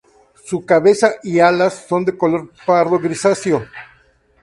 Su cabeza y alas son de color pardo grisáceo.